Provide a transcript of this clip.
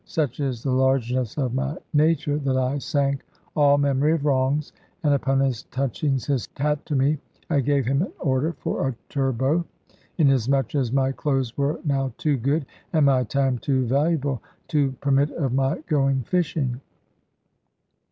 Such is the largeness of my nature, that I sank all memory of wrongs, and upon his touching his hat to me I gave him an order for a turbot, inasmuch as my clothes were now too good, and my time too valuable, to permit of my going fishing.